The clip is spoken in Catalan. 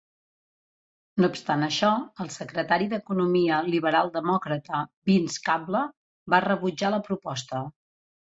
No obstant això, el Secretari d'Economia liberal demòcrata, Vince Cable, va rebutjar la proposta.